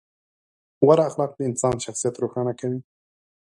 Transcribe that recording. غوره اخلاق د انسان شخصیت روښانه کوي.